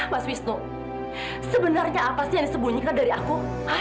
mas wisnu sebenarnya apa sih yang disembunyikan dari aku